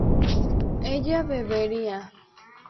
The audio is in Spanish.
ella bebería